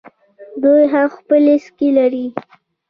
دوی هم خپلې سکې لرلې